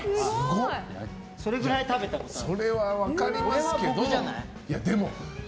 それくらい食べたことある。